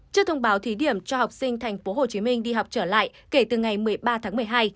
trước thông báo thí điểm cho học sinh thành phố hồ chí minh đi học trở lại kể từ ngày một mươi ba tháng một mươi hai